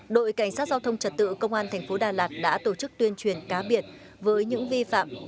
đội cảnh sát giao thông trật tự công an thành phố đà lạt đã tổ chức tuyên truyền cá biệt với những vi phạm